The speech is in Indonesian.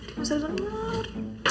jadi enggak usah dengar